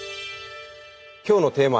今日のテーマ